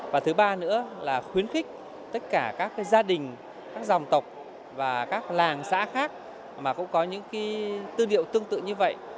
và thứ ba nữa là khuyến khích tất cả các gia đình các dòng tộc và các làng xã khác mà cũng có những tư liệu tương tự như vậy